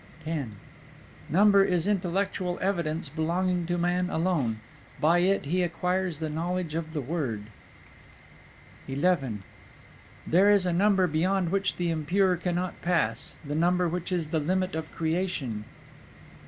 X Number is intellectual evidence belonging to man alone; by it he acquires knowledge of the Word. XI There is a Number beyond which the impure cannot pass: the Number which is the limit of creation.